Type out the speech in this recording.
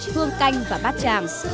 hương canh và bát tràng